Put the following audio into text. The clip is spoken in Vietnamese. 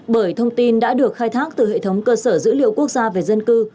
bởi thông tin đã được khai thác từ hệ thống cơ sở dữ liệu quốc gia về dân cư